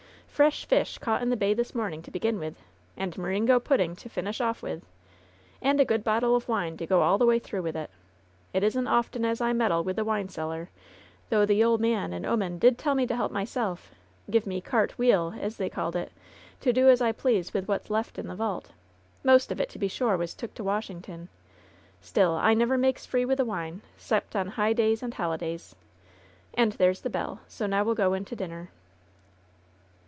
Fresh fish, caught in the bay this morning, to begin with. And meringo pudding to finish off with. And a good bottle of wine to go all the way through with it. It isn't often as I meddle with the wine cellar, though the ole man and 'oman did tell me to help myself — ^give me carte wheel, as they called it, to do as I please with what's left in the vault. Most of it, to be sure, was took to Washington. Still I never makes free with the wine, 'cept on high days and holi days. And there's the bell, so now we'll go in to dinner."